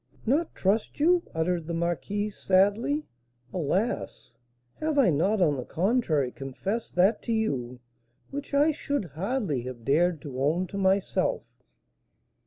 "Not trust you?" uttered the marquise, sadly; "alas! have I not on the contrary confessed that to you which I should hardly have dared to own to myself?"